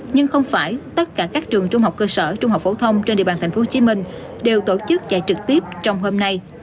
nhưng không phải tất cả các trường trung học cơ sở trung học phổ thông trên địa bàn tp hcm đều tổ chức chạy trực tiếp trong hôm nay